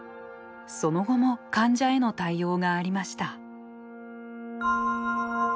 その後も患者への対応がありました。